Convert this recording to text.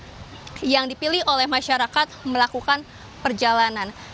jadi ini adalah yang terjadi oleh masyarakat melakukan perjalanan